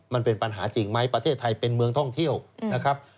มันเป็นปัญหาจริงไหมประเทศไทยเป็นเมืองท่องเที่ยวนะครับ